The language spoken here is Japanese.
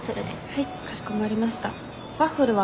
はい。